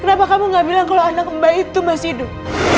kenapa kamu gak bilang kalau anak mbak itu masih hidup